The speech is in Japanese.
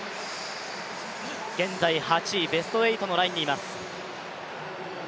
現在、８位ベスト８のラインにいます。